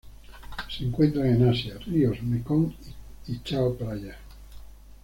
Se encuentran en Asia: ríos Mekong y Chao Phraya.